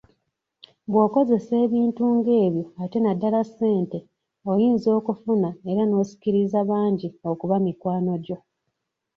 Bw'okozesa ebintu ng'ebyo ate naddala ssente oyinza okufuna era n'osikiriza bangi okuba mikwano gyo.